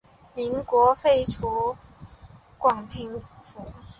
民国二年废除广平府。